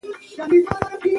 د واک ناوړه چلند پایله لري